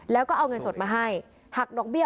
หากร้อยลายสิบหักไว้เลย๒๐๐๐